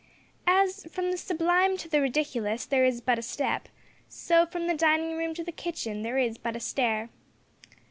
As from the sublime to the ridiculous there is but a step, so, from the dining room to the kitchen there is but a stair.